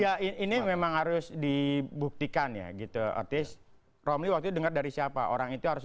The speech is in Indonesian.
ya ini memang harus dibuktikan ya gitu artis romli waktu dengar dari siapa orang itu harus